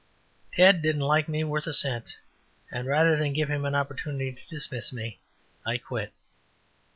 Ted didn't like me worth a cent, and, rather than give him an opportunity to dismiss me, I quit.